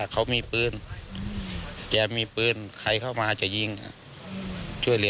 ไปอยู่แล้วไปเคาะแล้ว